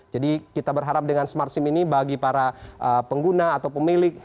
jadi kita berharap dengan smart sim ini bagi para pengguna atau pemilik